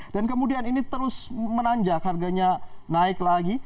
dan kemudian ini terus menanjak harganya naik lagi